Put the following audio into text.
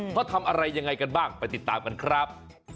เขาทำอะไรยังไงกันบ้างไปติดตามกันครับ